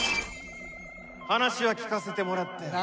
話は聞かせてもらったよ。